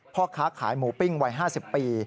พ่อค้าขายหมูปิ้งวัย๕๐ปี